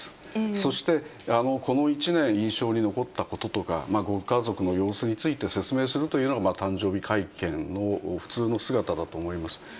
そして、この一年印象に残ったこととか、ご家族の様子について説明するというのが、誕生日会見の普通の姿だと思います。